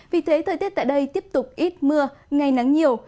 vì thế thời tiết tại đây tiếp tục ít mưa ngày nắng nhiều